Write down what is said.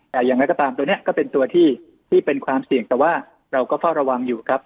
แต่อย่างไรก็ตามตัวนี้ก็เป็นตัวที่เป็นความเสี่ยงแต่ว่าเราก็เฝ้าระวังอยู่ครับ